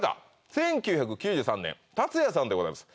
１９９３年達也さんでございます